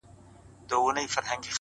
o وبېرېدم؛